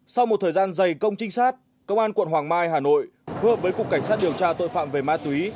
sau một thời gian dày công trinh sát công an quận hoàng mai hà nội hợp với cục cảnh sát điều tra tội phạm về ma túy